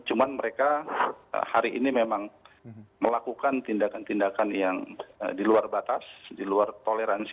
cuman mereka hari ini memang melakukan